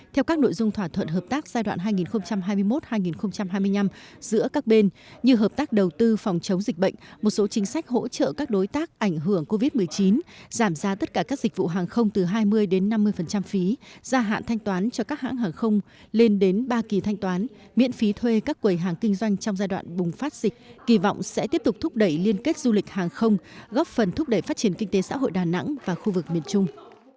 theo các nội dung thỏa thuận hợp tác giai đoạn hai nghìn hai mươi một hai nghìn hai mươi năm giữa các bên như hợp tác đầu tư phòng chống dịch bệnh một số chính sách hỗ trợ các đối tác ảnh hưởng covid một mươi chín giảm giá tất cả các dịch vụ hàng không từ hai mươi đến năm mươi phí gia hạn thanh toán cho các hãng hàng không lên đến ba kỳ thanh toán miễn phí thuê các quầy hàng kinh doanh trong giai đoạn bùng phát dịch kỳ vọng sẽ tiếp tục thúc đẩy liên kết du lịch hàng không góp phần thúc đẩy phát triển kinh tế xã hội đà nẵng và khu vực miền trung